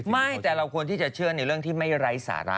ไม่แต่เราควรที่จะเชื่อในเรื่องที่ไม่ไร้สาระ